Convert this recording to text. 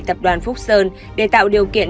tập đoàn phúc sơn để tạo điều kiện